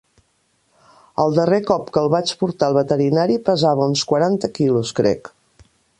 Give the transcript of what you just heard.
El darrer cop que el vaig portar al veterinari pesava uns quaranta quilos, crec.